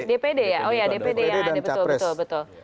dpd ya oh ya dpd yang ada betul betul